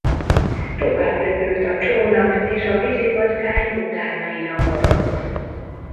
Továbbröpült a csónak, és a vízipatkány utána iramodott.